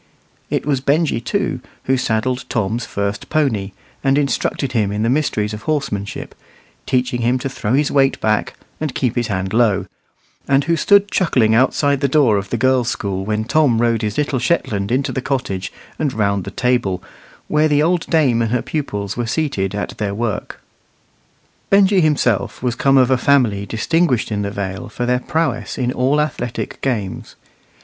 It was Benjy, too, who saddled Tom's first pony, and instructed him in the mysteries of horsemanship, teaching him to throw his weight back and keep his hand low, and who stood chuckling outside the door of the girls' school when Tom rode his little Shetland into the cottage and round the table, where the old dame and her pupils were seated at their work. Benjy himself was come of a family distinguished in the Vale for their prowess in all athletic games.